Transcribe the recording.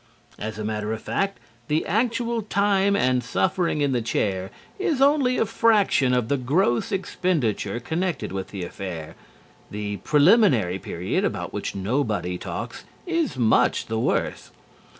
As a matter of fact, the actual time and suffering in the chair is only a fraction of the gross expenditure connected with the affair. The preliminary period, about which nobody talks, is much the worse.